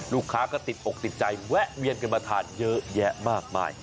ลูกค้าก็ติดอกติดใจแวะเวียนกันมาทานเยอะแยะมากมาย